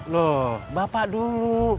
loh bapak dulu